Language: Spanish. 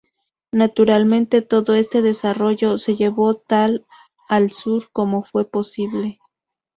Naturalmente, todo este desarrollo se llevó tan al sur como fue posible.